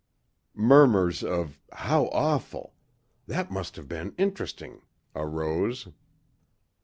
Murmurs of "how awful"; "that must have been interesting" arose.